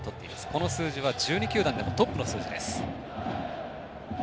この数字は１２球団でもトップの数字です。